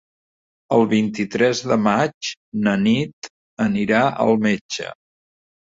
El vint-i-tres de maig na Nit anirà al metge.